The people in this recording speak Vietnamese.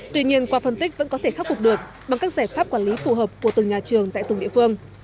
tuy nhiên qua phân tích vẫn có thể khắc phục được bằng các giải pháp quản lý phù hợp của từng nhà trường tại từng địa phương